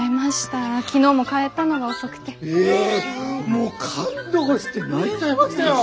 えもう感動して泣いちゃいましたよぉ！